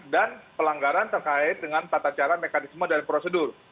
dan pelanggaran terkait dengan tata cara mekanisme dan prosedur